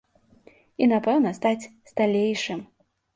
І, напэўна, стаць сталейшым.